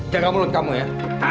jangan mulut kamu ya